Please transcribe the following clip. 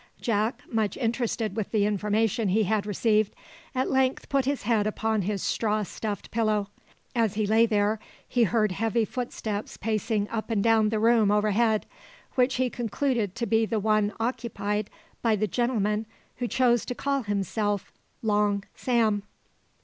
Jack, much interested with the information he had received, at length put his head upon his straw stuffed pillow. As he lay there he heard heavy footsteps pacing up and down the room overhead, which he concluded to be the one occupied by the gentleman who chose to call himself Long Sam.